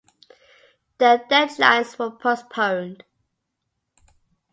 The deadlines were postponed.